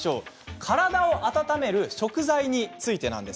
体を温める食材についてです。